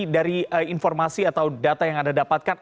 dari informasi atau data yang anda dapatkan